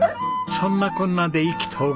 そんなこんなで意気投合。